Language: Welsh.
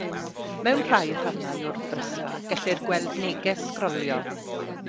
Mewn rhai rhannau o'r ddrysfa, gellir gweld neges sgrolio.